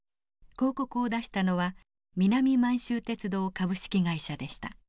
広告を出したのは南満州鉄道株式会社でした。